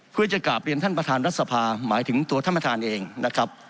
เพื่อจะกลับเรียนท่านประธานรัฐสภาหมายถึงตัวท่านประธานเองนะครับ